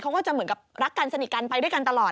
เขาก็จะเหมือนกับรักกันสนิทกันไปด้วยกันตลอด